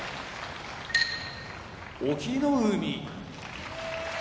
隠岐の海